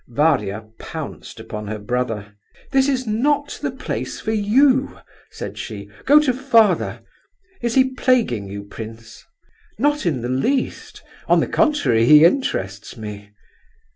Varia pounced upon her brother. "This is not the place for you," said she. "Go to father. Is he plaguing you, prince?" "Not in the least; on the contrary, he interests me."